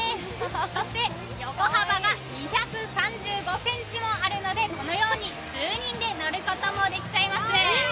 そして横幅が２３５ｃｍもあるのでこのように数人でこのように数人で乗ることもできちゃいます。